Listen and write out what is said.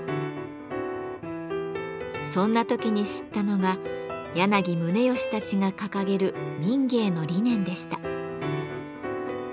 そんな時に知ったのが柳宗悦たちが掲げる民藝の理念でした。